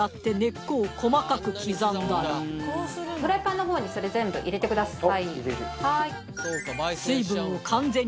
フライパンのほうにそれ全部入れてください。